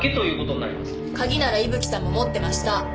鍵なら伊吹さんも持ってました。